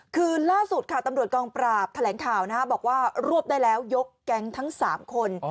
คือล่าสุดค่ะตำรวจกองปราบแถลงข่าวบอกว่ารวบได้แล้วยกแก๊งทั้ง๓คน